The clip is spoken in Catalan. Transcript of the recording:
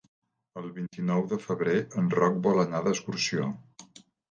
El vint-i-nou de febrer en Roc vol anar d'excursió.